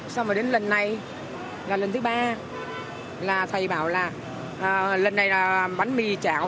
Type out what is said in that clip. xong rồi đến lần này là lần thứ ba là thầy bảo là lần này là bánh mì chảo